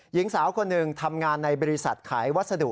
หญิงสาวคนหนึ่งทำงานในบริษัทขายวัสดุ